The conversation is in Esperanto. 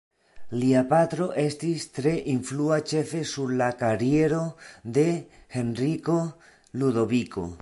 Lia patro estis tre influa ĉefe sur la kariero de Henriko Ludoviko.